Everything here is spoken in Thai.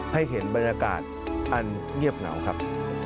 ให้เห็นบรรยากาศอันเงียบเหงาครับ